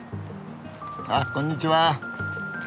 あこんにちは。